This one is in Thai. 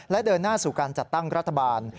และเดินหน้าสู่การจัดตั้งรัฐบาล